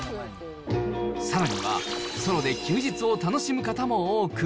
さらにはソロで休日を楽しむ方も多く。